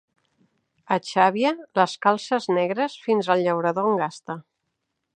A Xàbia, les calces negres, fins el llaurador en gasta.